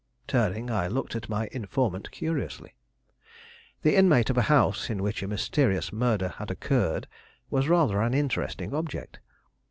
Turning, I looked at my informant curiously. The inmate of a house in which a mysterious murder had occurred was rather an interesting object.